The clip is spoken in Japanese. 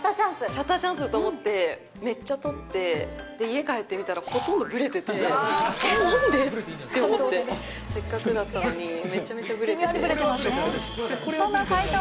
シャッターチャンスと思って、めっちゃ撮って、家帰って見たら、ほとんどぶれてて、えっ、なんでって思って、せっかくだったのに、めちゃめちゃぶれてて、ショックでした。